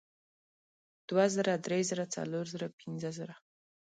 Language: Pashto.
دوه زره درې زره څلور زره پینځه زره